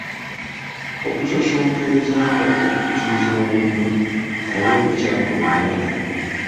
Okusosonkereza nga opikiriza omuntu abeeko ky’akola omulala.